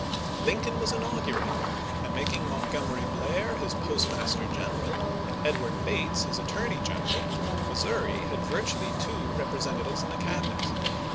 Lincoln was inaugurated, and making Mont gomery Blair his postmaster general and Edward Bates his attorney general, Missouri had virtually two representatives in the Cabinet.